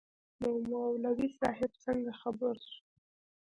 نو مولوي صاحب څنگه خبر سو.